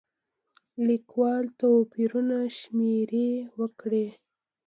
لیکوال توپیرونه شمېرې وکړي.